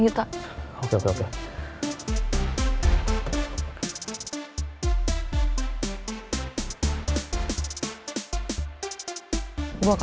kamu gak sadar